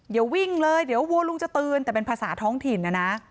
อย่าวิ่งเลยเดี๋ยววัวลุงจะตื่นแต่เป็นภาษาท้องถิ่นนะนะ